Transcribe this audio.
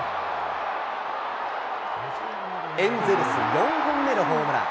エンゼルス４本目のホームラン。